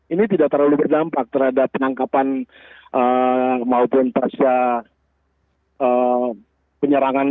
ini tidak terlalu berdampak terhadap penangkapan maupun pasca penyerangan